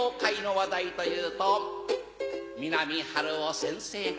話題というと三波春夫先生が